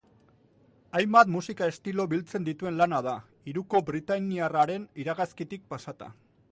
Hainbat musika estilo biltzen dituen lana da, hiruko britainiarraren iragazkitik pasata.